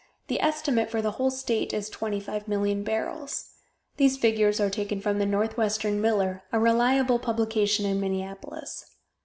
The estimate for the whole state is 25,000,000 barrels. These figures are taken from the Northwestern Miller, a reliable publication in Minneapolis.